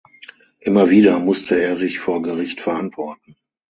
Immer wieder musste er sich vor Gericht verantworten.